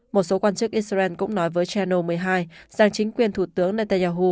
một số quan chức israel cũng nói với jenno một mươi hai rằng chính quyền thủ tướng netanyahu